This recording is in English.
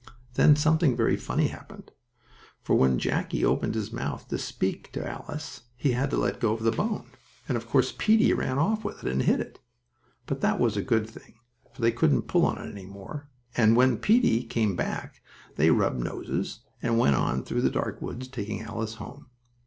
Then something very funny happened, for when Jackie opened his mouth to speak to Alice he had to let go of the bone, and of course Peetie ran off with it and hid it. But that was a good thing, for they couldn't pull on it any more, and when Peetie came back they both rubbed noses, and went on through the dark woods, taking Alice home.